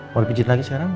mau dipijetin lagi sekarang